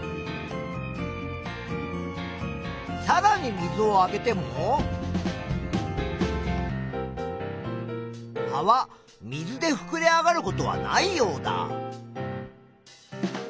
さらに水をあげても葉は水でふくれ上がることはないようだ。